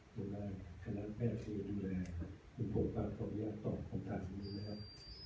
คุณแม่งแม่งคุณดูแลคุณผู้ประกอบยังตอบคำถามนี้นะครับ